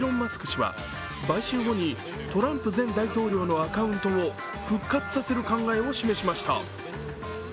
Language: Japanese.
氏は買収後にトランプ前大統領のアカウントを復活させる考えを示しました。